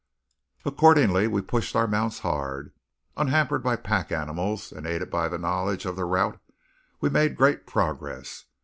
Accordingly we pushed our mounts hard. Unhampered by pack animals, and aided by knowledge of the route, we made great progress.